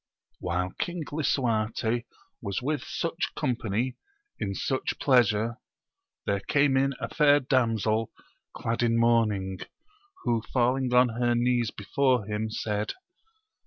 HILE King Lisuarte was with such company in such pleasure, there came in a fair damsel clad in mourning, who falling on her knees before him, said.